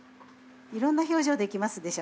いろんな表情できますでしょ。